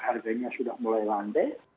harganya sudah mulai landai